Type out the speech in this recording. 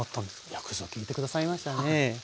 よくぞ聞いて下さいましたね。